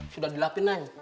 sudah dilapin nay